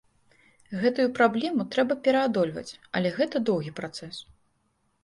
Гэтую праблему трэба пераадольваць, але гэта доўгі працэс.